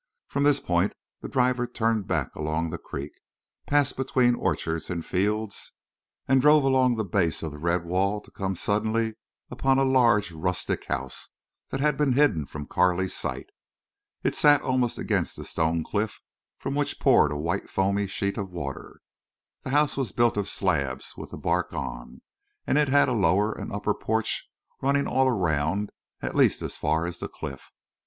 From this point the driver turned back along the creek, passed between orchards and fields, and drove along the base of the red wall to come suddenly upon a large rustic house that had been hidden from Carley's sight. It sat almost against the stone cliff, from which poured a white foamy sheet of water. The house was built of slabs with the bark on, and it had a lower and upper porch running all around, at least as far as the cliff.